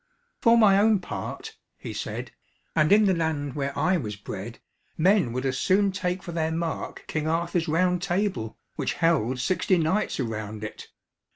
"For my own part," he said, "and in the land where I was bred, men would as soon take for their mark King Arthur's round table, which held sixty knights around it.